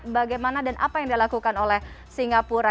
bagaimana dan apa yang dilakukan oleh singapura